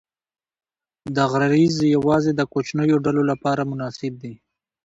دا غرایز یواځې د کوچنیو ډلو لپاره مناسب دي.